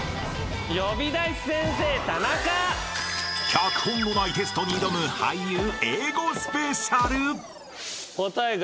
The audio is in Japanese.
［脚本のないテストに挑む俳優英語スペシャル］